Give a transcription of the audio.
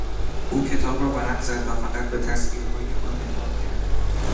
او کتاب را ورق زد و فقط به تصویرهای آن نگاه کرد.